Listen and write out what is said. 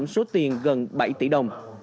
số tiền gần bảy tỷ đồng